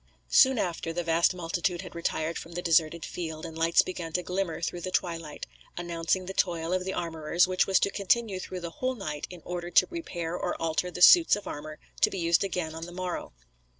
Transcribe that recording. Soon after the vast multitude had retired from the deserted field and lights began to glimmer through the twilight, announcing the toil of the armourers, which was to continue through the whole night in order to repair or alter the suits of armour to be used again on the morrow.